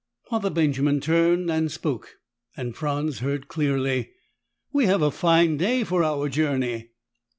Father Benjamin turned and spoke, and Franz heard clearly. "We have a fine day for our journey."